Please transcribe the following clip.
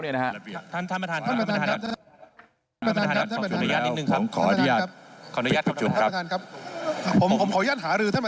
ท่านประธานครับท่านประธานครับ